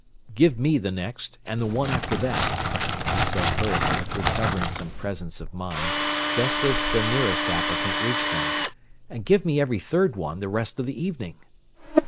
"Give me the next and the one after that," he said hurriedly, recovering some presence of mind, just as the nearest applicant reached them. "And give me every third one the rest of the evening."